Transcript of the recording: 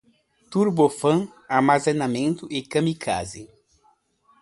Turbofan, armamento, kamikazes